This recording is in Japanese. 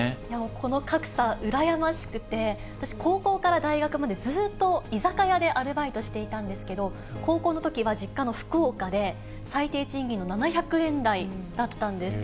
この格差、うらやましくて、私高校から大学までずっと居酒屋でアルバイトしていたんですけど、高校のときは実家の福岡で、最低賃金の７００円台だったんです。